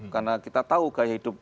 karena kita tahu gaya hidup